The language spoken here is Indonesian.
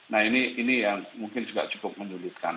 nah ini yang mungkin juga cukup menyulitkan